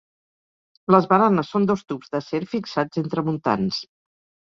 Les baranes són dos tubs d'acer fixats entre muntants.